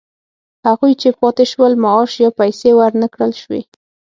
هغوی چې پاتې شول معاش یا پیسې ورنه کړل شوې